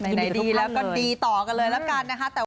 กินดีแล้วก็ดีต่อกันเลยละกันนะคะ